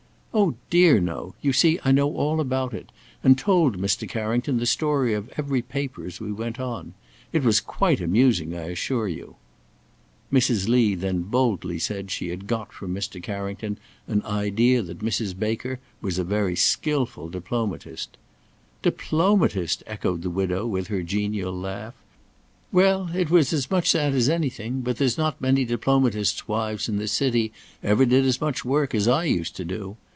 "Oh, dear, no! You see I know all about it, and told Mr. Carrington the story of every paper as we went on. It was quite amusing, I assure you." Mrs. Lee then boldly said she had got from Mr. Carrington an idea that Mrs. Baker was a very skilful diplomatist. "Diplomatist!" echoed the widow with her genial laugh; "Well! it was as much that as anything, but there's not many diplomatists' wives in this city ever did as much work as I used to do.